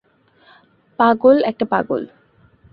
পাগল একটা পাগল।